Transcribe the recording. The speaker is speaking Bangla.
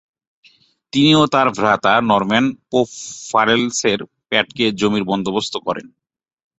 তিনি ও তার ভ্রাতা নরম্যান পোপ ফারেলসের প্যাডকে জমির বন্দোবস্ত করেন।